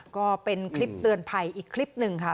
ก็เป็นคลิปเตือนภัยอีกคลิปหนึ่งค่ะ